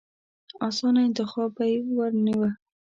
اسانه انتخاب به يې ورنيوه.